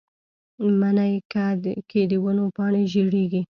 مني کې د ونو پاڼې ژیړیږي